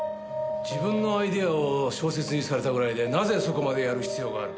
自分のアイデアを小説にされたぐらいでなぜそこまでやる必要がある？